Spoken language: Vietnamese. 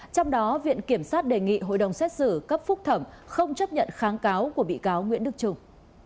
trong đó viện kiểm sát đề nghị hội đồng xét xử cấp phúc thẩm không chấp nhận kháng cáo của bị cáo nguyễn đức trung